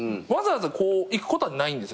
わざわざこういくことはない。